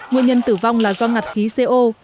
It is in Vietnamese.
nguyên nhân tử vong là do ngặt khí co